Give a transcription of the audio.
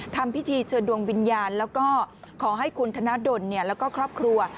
ทำพิธีเชิญดวงวิญญาณแล้วก็ขอให้คุณธนดลแล้วก็ครอบครัว